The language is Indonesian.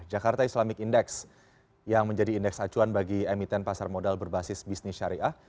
jakarta islamic index yang menjadi indeks acuan bagi emiten pasar modal berbasis bisnis syariah